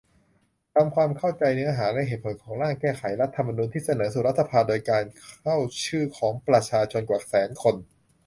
ทำความเข้าใจเนื้อหาและเหตุผลของ ร่างแก้ไขรัฐธรรมนูญที่เสนอสู่รัฐสภาโดยการเข้าชื่อของประชาชนกว่าแสนคน